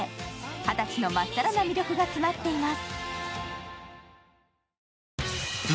二十歳のまっさらな魅力が詰まっています。